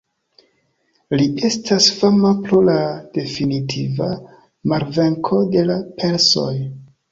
Li estas fama pro la definitiva malvenko de la persoj.